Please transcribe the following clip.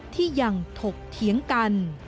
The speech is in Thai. ที่ยังถกเถียงกัน